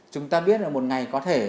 chúng ta biết là một ngày có thể